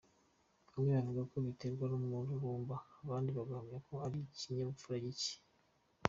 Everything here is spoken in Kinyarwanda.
Bamwe bavuga ko biterwa n’umururumba, abandi bagahamya ko ari iki nyabupfra gike.